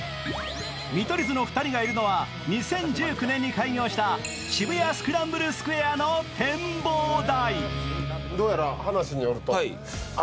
見取り図の２人がいるのは２０１９年に開業した渋谷スクランブルスクエアの展望台。